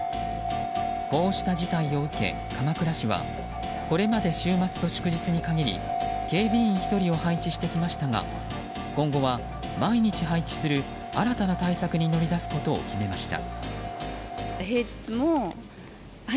こうした事態を受け、鎌倉市はこれまで週末と祝日に限り警備員１人を配置してきましたが今後は毎日配置する新たな対策に乗り出すことを決めました。